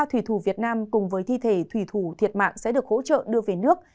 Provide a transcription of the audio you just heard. ba thủy thủ việt nam cùng với thi thể thủy thủ thiệt mạng sẽ được hỗ trợ đưa về nước